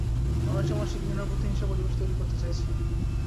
মানুষে মানুষে ঘৃণা ও প্রতিহিংসার পরিবেশ তৈরি করতে চাইছে।